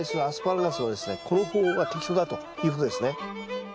この方法が適当だということですね。